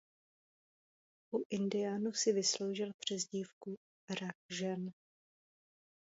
U Indiánů si vysloužil přezdívku "Vrah žen".